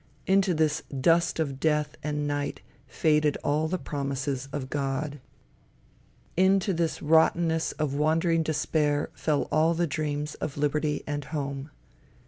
Into this dust of death and night faded all the promises of God. Into this rottenness of wandering despair fell all the dreams of liberty and home.